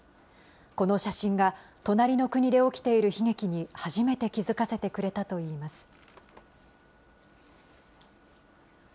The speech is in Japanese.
この写真が、隣の国で起きている悲劇に初めて気付かせてくれたといいます。